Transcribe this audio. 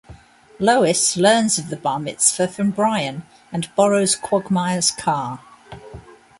Lois learns of the Bar Mitzvah from Brian, and borrows Quagmire's car.